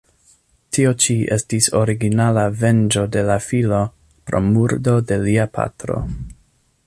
Tio ĉi estis originala venĝo de la filo pro murdo de lia patro.